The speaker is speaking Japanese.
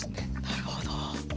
なるほど。